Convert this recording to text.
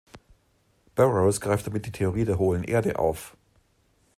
Burroughs greift damit die Theorie der hohlen Erde auf.